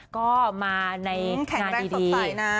ก็มาในงานดีแข็งแรงสบใสนะ